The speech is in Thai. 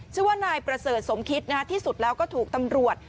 ชื่อว่านายประเสริฐสมคิดที่สุดแล้วก็ถูกตำรวจ